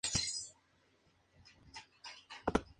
En septiembre, los japoneses retiraron sus tropas de Shandong.